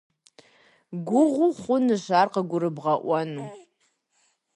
Гугъу хъунущ ар къыгурыбгъэӏуэну.